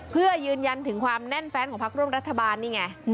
เพื่อยืนยันถึงความแน่นแฟนของพักร่วมรัฐบาลนี่ไง